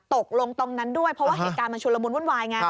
ตกลงตรงนั้นด้วยเพราะว่าเหตุการณ์มันชุนละมุนวุ่นวายไง